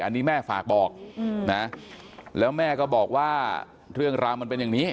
อันนี้แม่ฝากบอกนะแล้วแม่ก็บอกว่าเรื่องราวมันเป็นอย่างนี้